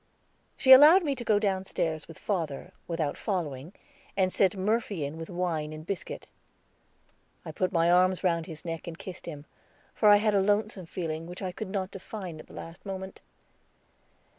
She allowed me to go downstairs with father, without following, and sent Murphy in with wine and biscuit. I put my arms round his neck and kissed him, for I had a lonesome feeling, which I could not define at the last moment.